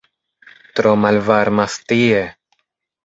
"Tro malvarmas tie!"